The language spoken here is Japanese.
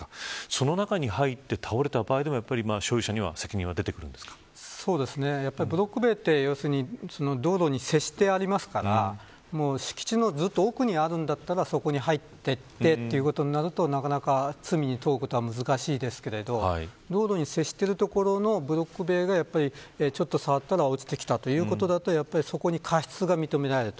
その中に入って倒れた場合でも所有者には責任はそうですね、ブロック塀は道路に接してあるので敷地の奥にあるのだったらそこに入ってということになるとなかなか罪に問うことは難しいですけど道路に接しているところのブロック塀が触ったら落ちてきたということだとそこに過失が認められる。